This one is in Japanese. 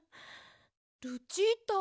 ルチータ。